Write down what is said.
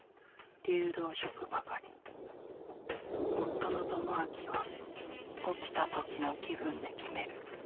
流動食ばかり夫の智明は起きた時の気分で決める